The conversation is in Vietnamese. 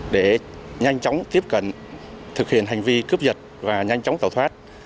để nhanh chóng tiếp cận thực hiện hành vi cướp giật và nhanh chóng tẩu thoát